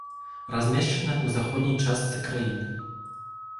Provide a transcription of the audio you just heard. Размешчаная ў заходняй частцы краіны.